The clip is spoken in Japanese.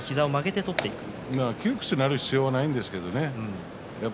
窮屈になる必要はないんですけどね。